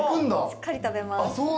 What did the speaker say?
しっかり食べます。